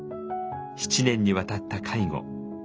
７年にわたった介護。